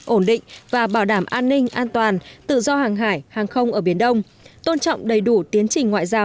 ổn định và bảo đảm an ninh an toàn tự do hàng hải hàng không ở biển đông tôn trọng đầy đủ tiến trình ngoại giao